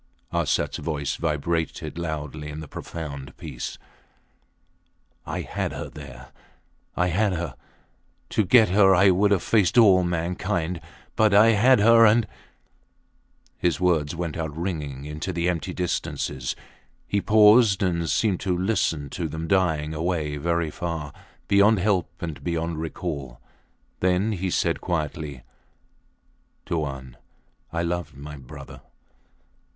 Arsats voice vibrated loudly in the profound peace. I had her there! I had her! To get her I would have faced all mankind. But I had her and His words went out ringing into the empty distances. He paused, and seemed to listen to them dying away very far beyond help and beyond recall. Then he said quietly Tuan, I loved my brother.